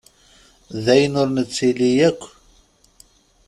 D ayen ur nettili yakk.